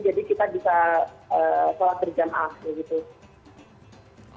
jadi kita bisa sholat berjamaah